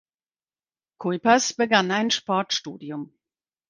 Kuipers begann ein Sportstudium.